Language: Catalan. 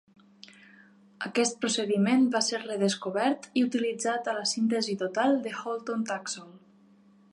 Aquest procediment va ser redescobert i utilitzat a la síntesi total de Holton Taxol.